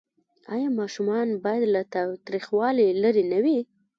آیا ماشومان باید له تاوتریخوالي لرې نه وي؟